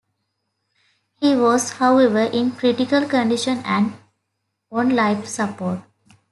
He was, however, in critical condition and on life support.